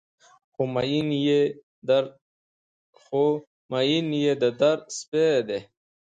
خو مين يې د در سپى دى